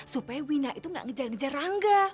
supaya wina itu gak ngejar ngejar rangga